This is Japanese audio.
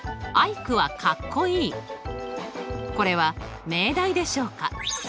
これは命題でしょうか？